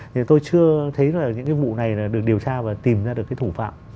thì tôi chưa thấy là những cái vụ này là được điều tra và tìm ra được cái thủ phạm